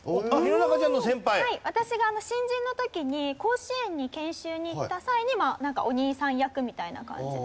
私が新人の時に甲子園に研修に行った際にお兄さん役みたいな感じで。